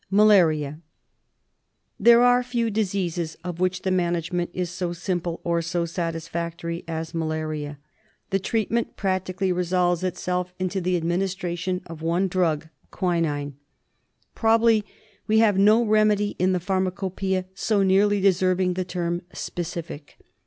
Malaria. There are few diseases of which the management is so simple or so satisfactory as malaria. The treatment practically resolves itself into the administration of one N 2 196 TREATMENT OF drug — quinine. Probably we have no remedy in the pharmacopia so nearly deserving the term " specific."